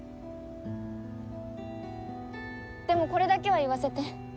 でもこれだけは言わせて。